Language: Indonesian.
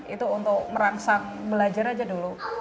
itu untuk merangsak belajar aja dulu